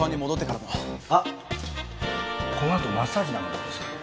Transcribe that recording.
あっこのあとマッサージなんてどうですか？